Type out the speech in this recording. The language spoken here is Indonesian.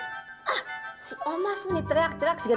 ah si omas nih teriak teriak segitu